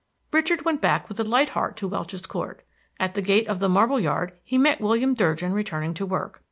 Richard went back with a light heart to Welch's Court. At the gate of the marble yard he met William Durgin returning to work.